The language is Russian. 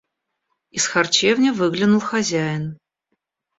Из харчевни выглянул хозяин.